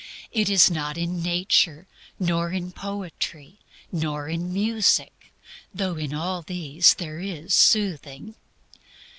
It is not in nature, or in poetry, or in music though in all these there is soothing.